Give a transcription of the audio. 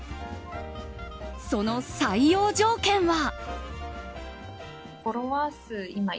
その採用条件は。